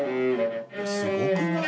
「すごくない？」